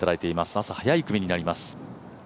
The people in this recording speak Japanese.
朝早い組になります。